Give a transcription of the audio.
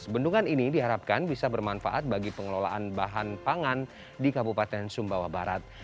bendungan ini diharapkan bisa bermanfaat bagi pengelolaan bahan pangan di kabupaten sumbawa barat